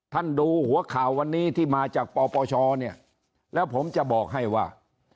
ดูหัวข่าววันนี้ที่มาจากปปชเนี่ยแล้วผมจะบอกให้ว่า